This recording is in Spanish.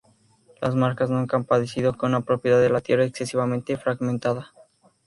Las Marcas nunca han padecido que una propiedad de la tierra excesivamente fragmentada.